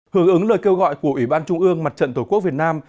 hưởng ứng lời kêu gọi của ủy ban trung ương mặt trận tổ quốc việt nam